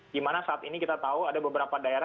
dimana saat ini kita tahu ada beberapa daerah